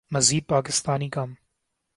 مزید پاکستانی کم